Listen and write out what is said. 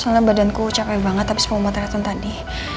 karena badanku capek banget abis pengumuman terlihat tadi